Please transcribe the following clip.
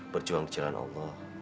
berjuang di jalan allah